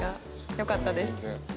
よかったです。